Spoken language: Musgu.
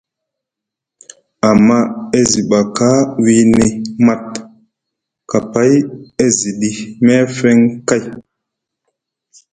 Amma e zi baka wiini mat, kapay a ziɗi meefeŋ kay.